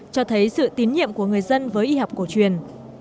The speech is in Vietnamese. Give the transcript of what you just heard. cho thấy sự tín nhiệm của người dân với y học cổ truyền